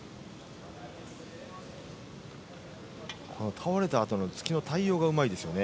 倒れたあとの突きの対応がうまいですよね